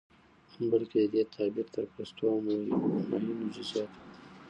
بلکې د دې تعبير تر پستو او مهينو جزيىاتو پورې